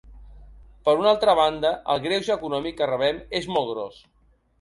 Per una altra banda, el greuge econòmic que rebem és molt gros.